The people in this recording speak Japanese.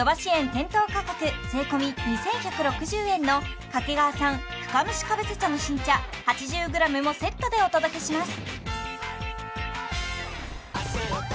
店頭価格税込２１６０円の掛川産深蒸しかぶせ茶の新茶８０ｇもセットでお届けします